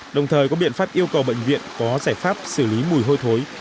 đồng thời có biện pháp yêu cầu bệnh viện có giải pháp xử lý mùi hôi thối